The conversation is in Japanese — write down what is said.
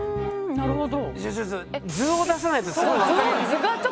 なるほど。